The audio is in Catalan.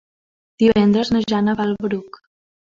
Divendres na Jana va al Bruc.